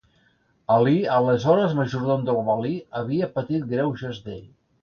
Alí, aleshores majordom del valí, havia patit greuges d'ell.